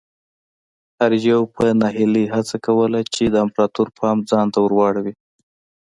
هر یوه په ناهیلۍ هڅه کوله چې د امپراتور پام ځان ته ور واړوي.